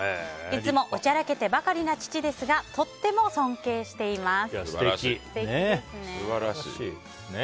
いつもおちゃらけてばかりな父ですがとっても尊敬しています。